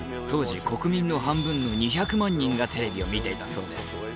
当時国民の半分の２００万人がテレビを見ていたそうです。